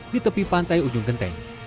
di tepi pantai ujung genteng